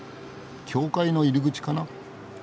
教会の入り口かな。